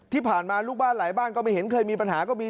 ที่ผ่านมาลูกบ้านหลายบ้านก็ไม่เห็นเคยมีปัญหาก็มี